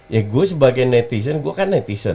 ya gue sebagai netizen gue kan netizen